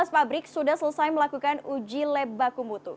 tiga belas pabrik sudah selesai melakukan uji lebak kumutu